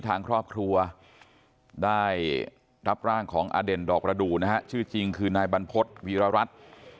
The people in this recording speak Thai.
ทางครอบครัวได้รับร่างของอเด่นดอกระดูนะฮะชื่อจริงคือนายบรรพฤษวีรรัฐ